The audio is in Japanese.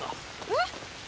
えっ？